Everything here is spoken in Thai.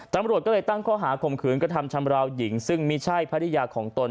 ตำรวจก็เลยตั้งข้อหาข่มขืนกระทำชำราวหญิงซึ่งไม่ใช่ภรรยาของตน